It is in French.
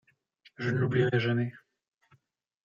Je ne l’oublierai jamais…